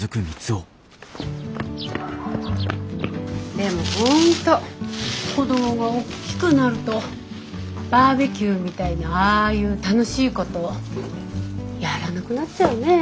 でも本当子供がおっきくなるとバーベキューみたいなああいう楽しいことをやらなくなっちゃうね。